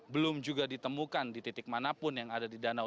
belum juga ditemukan di titik manapun yang ada di danau